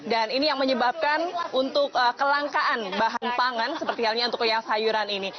dan ini yang menyebabkan untuk kelangkaan bahan pangan seperti halnya untuk sayuran ini